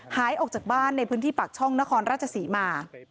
หายออกจากบ้านในพื้นที่ปากช่องนครราชศรีมา